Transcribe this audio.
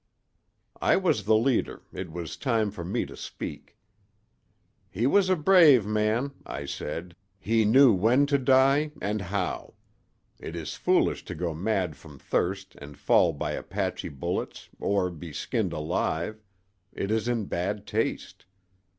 "I was the leader: it was for me to speak. "'He was a brave man,' I said—'he knew when to die, and how. It is foolish to go mad from thirst and fall by Apache bullets, or be skinned alive—it is in bad taste.